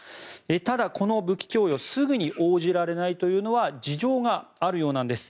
ただ、この武器供与すぐに応じられないというのは事情があるようなんです。